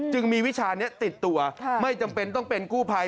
จึงมีวิชานี้ติดตัวไม่จำเป็นต้องเป็นกู้ภัย